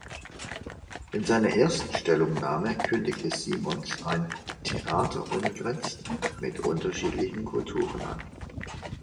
In seiner ersten Stellungnahme kündigte Simons ein „Theater ohne Grenzen“ mit unterschiedlichen Kulturen an.